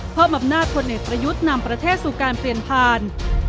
มอบอำนาจพลเอกประยุทธ์นำประเทศสู่การเปลี่ยนผ่าน